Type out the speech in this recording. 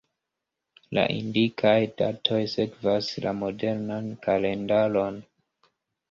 La indikitaj datoj sekvas la modernan kalendaron.